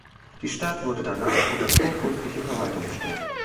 Die Stadt wurde danach unter kurfürstliche Verwaltung gestellt.